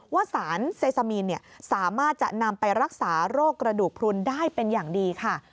ว่าสารเซซามีนสามารถจะนำไปรักษาโรคกระดูกพลุนได้เป็นอย่างดีค่ะ